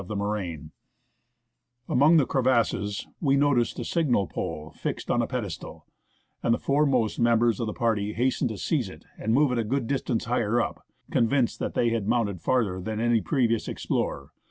36 w o FROM JUNEAU TO YAKUTAT the crevasses we noticed a signal pole fixed on a pedestal, and the foremost members of the party hastened to seize it and move it a good distance higher up, convinced that they had mounted farther than any previous explorer.